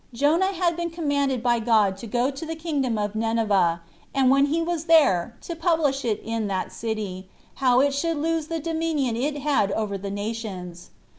Jonah had been commanded by God to go to the kingdom of Nineveh; and when he was there, to publish it in that city, how it should lose the dominion it had over the nations.